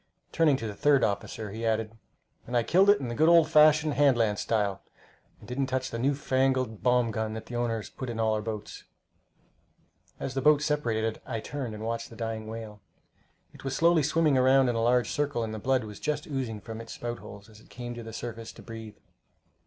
Turning to the third officer, he added, "And I killed it in the good old fashioned hand lance style, and didn't touch the new fangled bomb gun that the owners put in all our boats." As the boats separated, I turned and watched the dying whale. It was slowly swimming around in a large circle, and the blood was just oozing from its spout holes as it came to the surface to breathe.